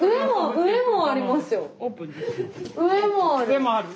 上もある。